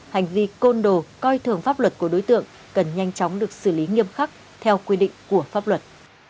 hành vi côn đồ coi thường pháp luật của đối tượng cần nhanh chóng được xử lý nghiêm khắc theo quy định của pháp luật